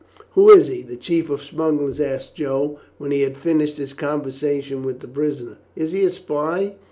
"Who is he?" the chief of the smugglers asked Joe when he had finished his conversation with the prisoner. "Is he a spy?"